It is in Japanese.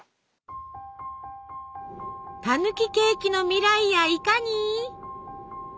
たぬきケーキの未来やいかに！？